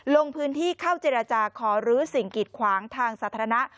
ลงพื้นที่เข้าเจรจาขอรื้อสิ่งกิดขวางทางสาธารณะ